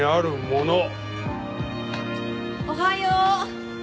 おはよう。